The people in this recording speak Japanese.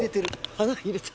鼻入れた。